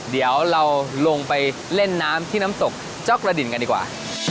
เดี๋ยวเราลงไปเล่นน้ำที่น้ำตกจ้อกระดินกันดีกว่า